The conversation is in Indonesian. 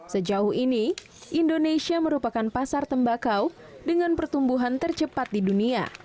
sejauh ini indonesia merupakan pasar tembakau dengan pertumbuhan tercepat di dunia